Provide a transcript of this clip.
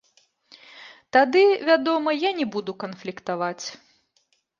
Тады, вядома, я не буду канфліктаваць.